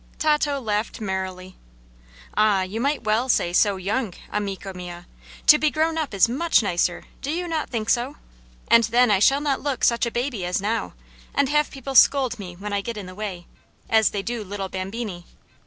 Tato laughed merrily. "Ah, you might well say 'so young,' amico mia! To be grown up is much nicer; do you not think so? And then I shall not look such a baby as now, and have people scold me when I get in the way, as they do little bambini."